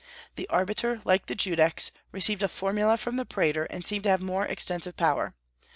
The arbiter, like the judex, received a formula from the praetor, and seemed to have more extensive power.